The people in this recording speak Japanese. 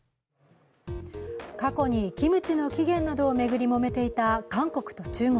過去にキムチの起源などを巡りもめていた、韓国と中国。